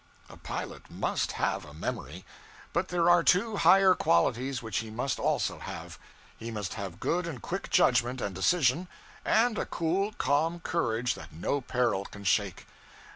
A pilot must have a memory; but there are two higher qualities which he must also have. He must have good and quick judgment and decision, and a cool, calm courage that no peril can shake.